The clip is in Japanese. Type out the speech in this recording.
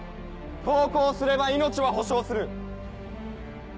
投降すれば命は保証する。